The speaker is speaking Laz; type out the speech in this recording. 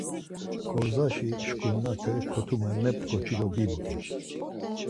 Ǩorzaşi şkurnate kotume mep̌t̆ǩoçi do bimt̆i.